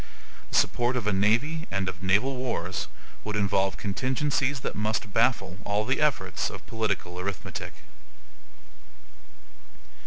The support of a navy and of naval wars would involve contingencies that must baffle all the efforts of political arithmetic.